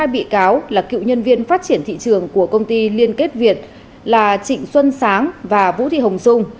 hai bị cáo là cựu nhân viên phát triển thị trường của công ty liên kết việt là trịnh xuân sáng và vũ thị hồng dung